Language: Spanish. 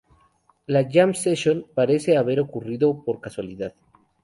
La jam session parece haber ocurrido por casualidad.